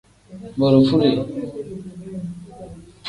Borofude.